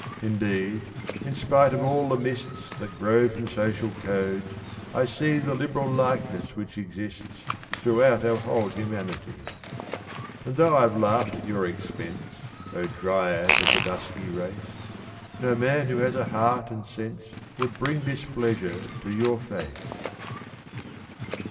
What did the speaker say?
Indeed, in spite of all the mists That grow from social codes, I see The liberal likeness which exists Throughout our whole humanity. And though I've laughed at your expense, O Dryad of the dusky race, No man who has a heart and sense Would bring displeasure to your face.